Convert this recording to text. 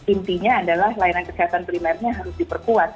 intinya adalah layanan kesehatan primernya harus diperkuat